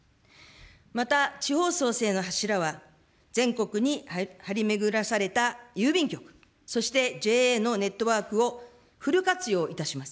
また地方創生の柱は、全国に張り巡らされた郵便局、そしてＪＡのネットワークをフル活用いたします。